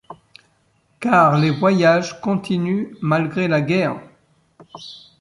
Car les voyages continuent malgré la guerre.